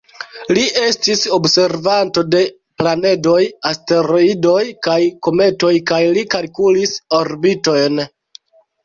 Li estis observanto de planedoj, asteroidoj kaj kometoj kaj li kalkulis orbitojn.